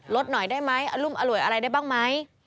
ลดหน่อยได้ไหมอรุมอร่วยอะไรได้บ้างไหม